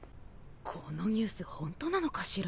このニュース本当なのかしら。